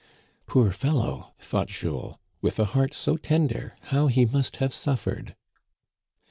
" Poor fellow !" thought Jules, " with a heart so tender, how he must have suffered